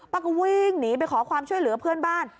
ก็วิ่งหนีไปขอความช่วยเหลือเพื่อนบ้าน